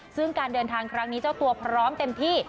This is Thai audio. ซึ่งการเดินทางครั้งนี้เจ้าตัวพร้อมเต็มที่